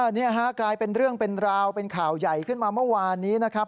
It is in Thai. นี่ฮะกลายเป็นเรื่องเป็นราวเป็นข่าวใหญ่ขึ้นมาเมื่อวานนี้นะครับ